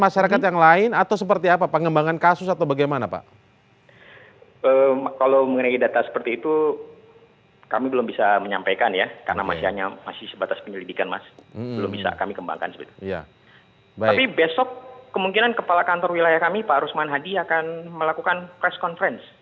berita terkini mengenai cuaca ekstrem dua ribu dua puluh satu di jepang